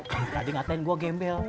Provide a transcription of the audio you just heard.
tadi ngatain gua gembel